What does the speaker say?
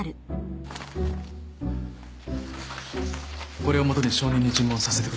これを基に証人に尋問させてください。